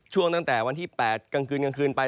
ตั้งแต่วันที่๘กลางคืนกลางคืนไป